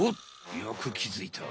よくきづいた。